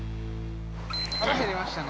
◆腹減りましたね。